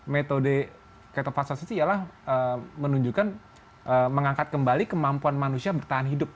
metode ketofassas itu ialah menunjukkan mengangkat kembali kemampuan manusia bertahan hidup